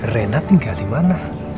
rena tinggal dimana